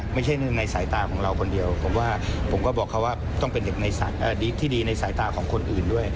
ไม่ใช่ในสายตาของเราคนเดียวผมว่าผมก็บอกเขาว่าต้องเป็นเด็กในที่ดีในสายตาของคนอื่นด้วย